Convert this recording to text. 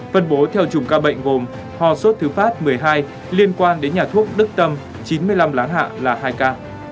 phân bố theo chủng ca bệnh gồm hòa sốt thứ pháp một mươi hai liên quan đến nhà thuốc đức tâm chín mươi năm láng hạ là hai ca